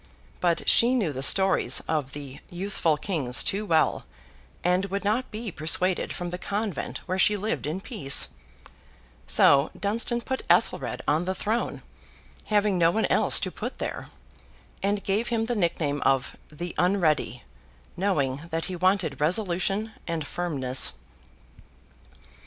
But she knew the stories of the youthful kings too well, and would not be persuaded from the convent where she lived in peace; so, Dunstan put Ethelred on the throne, having no one else to put there, and gave him the nickname of The Unready—knowing that he wanted resolution and firmness.